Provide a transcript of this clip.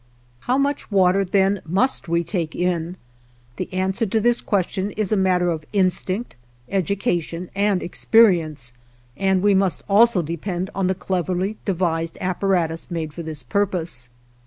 How much water then must we take in? The answer to this question is a matter of instinct, education, and experience and we must also depend on the cleverly devised apparatus made for this purpose.